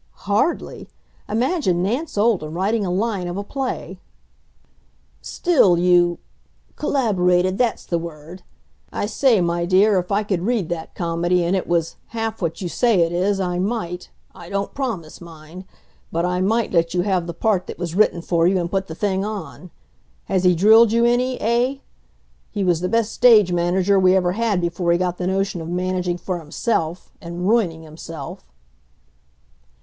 "Hardly! Imagine Nance Olden writing a line of a play!" "Still you collaborated; that's the word. I say, my dear, if I could read that comedy, and it was half what you say it is, I might I don't promise, mind but I might let you have the part that was written for you and put the thing on. Has he drilled you any, eh? He was the best stage manager we ever had before he got the notion of managing for himself and ruining himself."